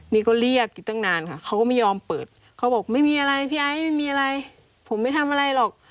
นี่ก็เรียกอยู่ตั้งนานค่ะเขาก็ไม่ยอมเปิดเขาบอกไม่มีอะไรพี่ไอ้ไม่มีอะไรผมไม่ทำอะไรหรอก